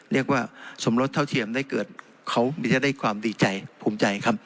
เรียกว่าสมรสเท่าเทียมได้เกิดเขาจะได้ความดีใจภูมิใจครับ